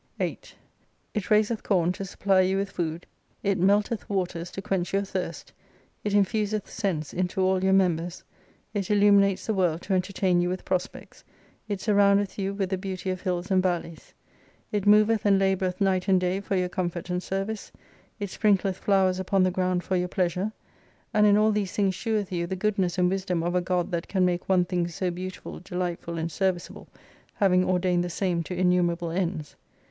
84. 8 It raiseth corn to supply you with food, it melteth waters to quench your thirst, it infuseth sense into all your members, it illuminates the world to entertain you with prospects, it surroundeth you with the beauty of hills and valleys. It moveth and laboureth night and day for your comfort and service ; it sprinkleth flowers upon the ground for your pleasure ; and in all these things sheweth you the goodness and wisdom of a God that can make one thing so beautiful, delightful and serviceable, having ordained the same to innumerable ends.